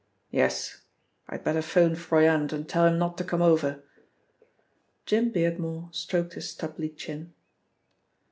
"Yes. I'd better 'phone Froyant, and tell him not to come over." Jim Beardmore stroked his stubbly chin.